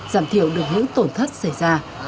giảm thiệu đường hữu tổn thương